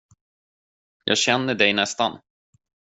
Jag känner dig nästan.